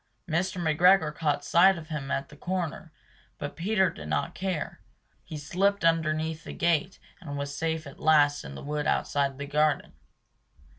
Mr. McGregor caught sight of him at the corner, but Peter did not care. He slipped underneath the gate and was safe at last in the wood outside the garden.